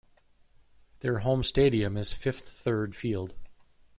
Their home stadium is Fifth Third Field.